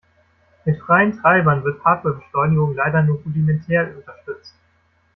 Mit freien Treibern wird Hardware-Beschleunigung leider nur rudimentär unterstützt.